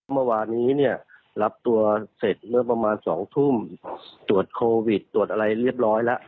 เมื่อวานนี้เนี่ยรับตัวเสร็จเมื่อประมาณ๒ทุ่มตรวจโควิดตรวจอะไรเรียบร้อยแล้ว